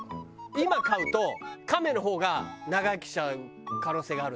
今飼うとカメの方が長生きしちゃう可能性があるのよ。